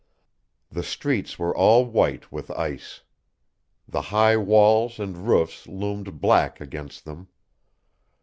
The streets were all white with ice: the high walls and roofs loomed black against them.